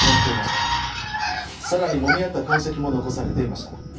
さらにもみ合った痕跡も残されていました。